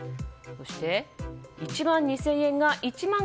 そして、１万２０００円が１万５０００円に。